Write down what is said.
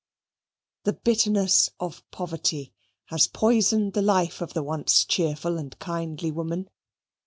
The bitterness of poverty has poisoned the life of the once cheerful and kindly woman.